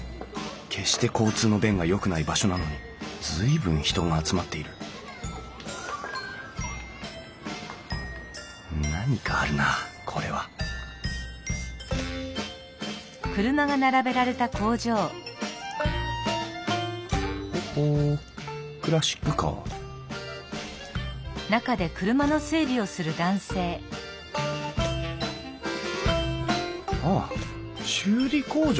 決して交通の便がよくない場所なのに随分人が集まっている何かあるなこれはほほクラシックカーああ修理工場なのか。